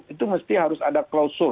itu mesti harus ada klausul